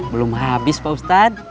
belum habis pak ustadz